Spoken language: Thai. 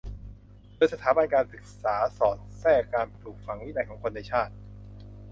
โดยสถาบันการศึกษาสอดแทรกการปลูกฝังวินัยของคนในชาติ